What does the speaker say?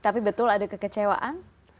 tapi betul ada kekecewaan